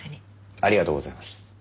ありがとうございます。